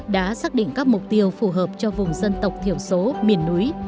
hai nghìn hai mươi một hai nghìn hai mươi đã xác định các mục tiêu phù hợp cho vùng dân tộc thiểu số miền núi